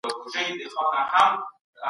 روغتیايي چاري د ټولني لپاره حیاتي دي.